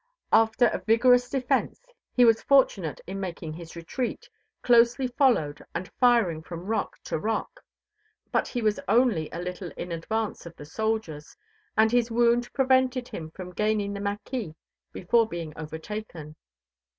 After a vigorous defense he was fortunate in making his retreat, closely followed and firing from rock to rock. But he was only a little in advance of the soldiers, and his wound prevented him from gaining the mâquis before being overtaken.